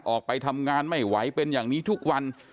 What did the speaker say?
ออกไปทำงานไม่ไหวเป็นอย่างนี้ทุกวัน